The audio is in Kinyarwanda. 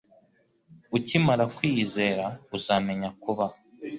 Ukimara kwiyizera, uzamenya kubaho.